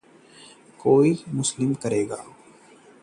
कोई हमें देख लेगा!